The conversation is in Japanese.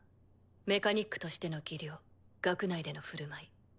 メカニックとしての技量学内での振る舞い。